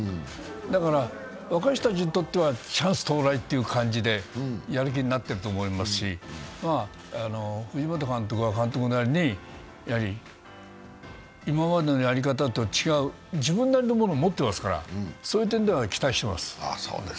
だから若い人たちにとってはチャンス到来ということでやる気になっていると思いますし、藤本監督は監督なりに、今までのやり方と違う自分なりのものを持ってますからその点では期待してます。